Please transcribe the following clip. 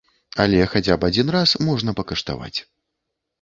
Але хаця б адзін раз можна пакаштаваць.